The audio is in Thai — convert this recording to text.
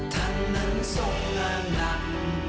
ท่านนั้นส่งงานนั้น